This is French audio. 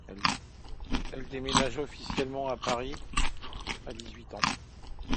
Elle déménagea officiellement à Paris à dix-huit ans.